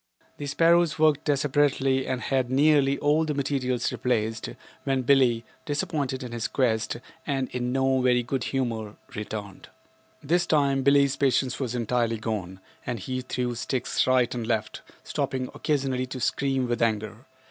The sparrows worked desperately and had nearly all of the material replaced when Billie, disappointed in his quest and in no very good humor, returned. This time Billie's patience was entirely gone and he threw sticks right and left, stopping occasionally to scream with anger.